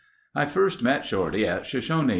'" I first met Shorty at Shoshone.